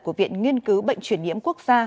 của viện nghiên cứu bệnh truyền nhiễm quốc gia